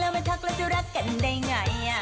ไม่ทักแล้วจะรักกันได้ไง